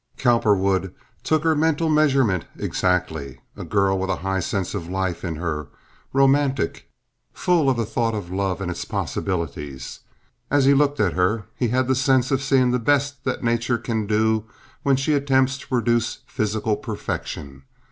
Cowperwood took her mental measurement exactly. A girl with a high sense of life in her, romantic, full of the thought of love and its possibilities. As he looked at her he had the sense of seeing the best that nature can do when she attempts to produce physical perfection.